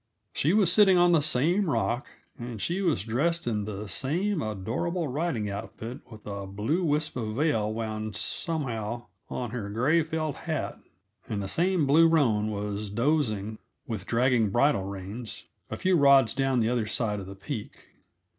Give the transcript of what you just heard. She was sitting on the same rock, and she was dressed in the same adorable riding outfit with a blue wisp of veil wound somehow on her gray felt hat, and the same blue roan was dozing, with dragging bridle reins, a few rods down the other side of the peak.